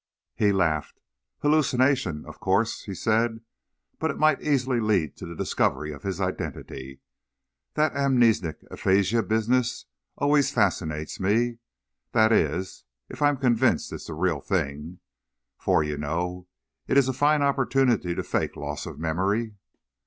He laughed. "Hallucination, of course," he said; "but it might easily lead to the discovery of his identity. That amnesic aphasia business always fascinates me. That is, if I'm convinced it's the real thing. For, you know, it's a fine opportunity to fake loss of memory."